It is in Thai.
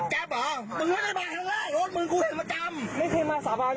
จะส่งมึงถ่ายให้ขาดไกล